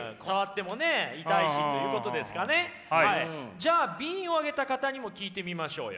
じゃあＢをあげた方にも聞いてみましょうよ。